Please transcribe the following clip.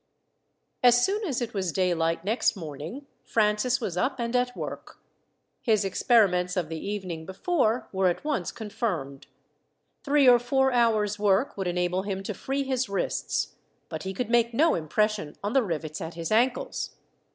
As soon as it was daylight next morning, Francis was up and at work. His experiments of the evening before were at once confirmed. Three or four hours' work would enable him to free his wrists, but he could make no impression on the rivets at his ankles.